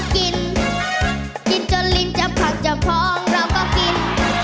กินจนลิ้นจะพักจะพร้องเราก็กิน